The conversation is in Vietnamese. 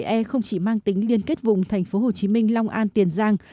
ba e không chỉ mang tính liên kết vùng thành phố hồ chí minh long an tiền giang